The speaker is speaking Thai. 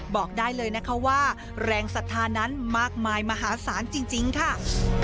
บอกได้เลยนะคะว่าแรงศรัทธานั้นมากมายมหาศาลจริงค่ะ